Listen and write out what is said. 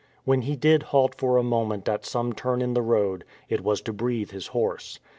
When he did halt for a moment at some turn in the road it was to breathe his horse.